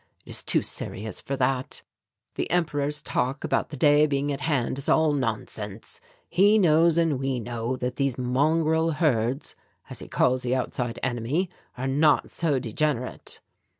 It is too serious for that. The Emperor's talk about the day being at hand is all nonsense. He knows and we know that these mongrel herds, as he calls the outside enemy, are not so degenerate.